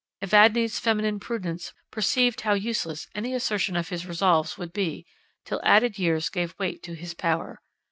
Evadne's feminine prudence perceived how useless any assertion of his resolves would be, till added years gave weight to his power.